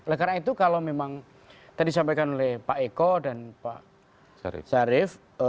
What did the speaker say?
nah itu kalau memang tadi sampaikan oleh pak eko dan pak sharif